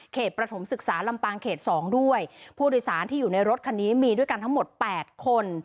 ประถมศึกษาลำปางเขตสองด้วยผู้โดยสารที่อยู่ในรถคันนี้มีด้วยกันทั้งหมดแปดคน